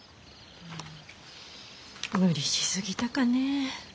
無理し過ぎたかねえ。